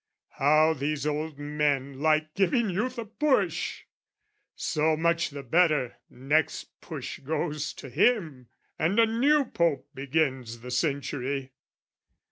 "How these old men like giving youth a push! "So much the better: next push goes to him, "And a new Pope begins the century.